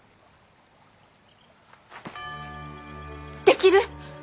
できる。